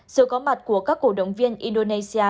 sự có mặt của các cổ động viên indonesia